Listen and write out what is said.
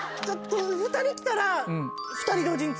２人来たら。